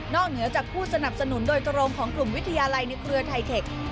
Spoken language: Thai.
เหนือจากผู้สนับสนุนโดยตรงของกลุ่มวิทยาลัยในเครือไทเทค